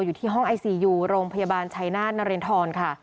อยู่ที่ห้องไอซียูโรงพยาบาลชัยนาธนรินทรค่ะ